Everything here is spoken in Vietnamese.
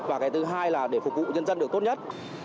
và cái thứ hai là để phục vụ nhân dân được tốt nhất